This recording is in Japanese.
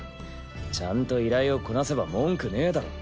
ちゃんと依頼をこなせば文句ねえだろ？